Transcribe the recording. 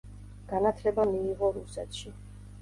განათლება მიიღო რუსეთში.